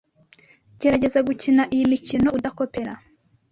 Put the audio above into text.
Gerageza gukina iyi mikino udakopera